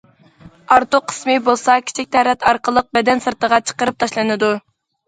ئارتۇق قىسمى بولسا، كىچىك تەرەت ئارقىلىق بەدەن سىرتىغا چىقىرىپ تاشلىنىدۇ.